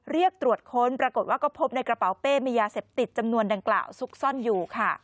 เรียกตรวจค้นปรากฏว่าก็พบในกระเป๋าเป้มียาเสพติดจำนวนดังกล่าวซุกซ่อนอยู่ค่ะ